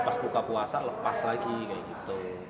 pas buka puasa lepas lagi kayak gitu